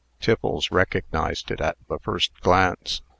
Tiffles recognized it at the first glance.